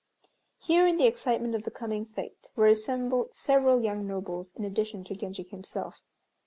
Here in the excitement of the coming fête were assembled several young nobles, in addition to Genji himself.